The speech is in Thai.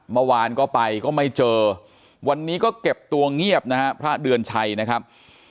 เมื่อวานก็ไปก็ไม่เจอวันนี้ก็เก็บตัวเงียบนะฮะพระเดือนชัยนะครับ